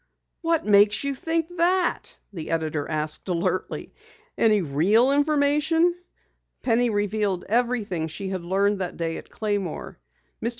"What makes you think that?" the editor asked alertly. "Any real information?" Penny revealed everything she had learned that day at Claymore. Mr.